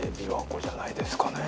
琵琶湖じゃないですかね？